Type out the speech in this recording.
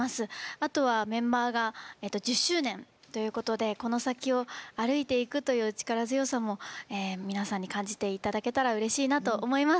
あとは、メンバーが１０周年ということでこの先を歩いていくという力強さも皆さんに感じていただけたらうれしいなと思います。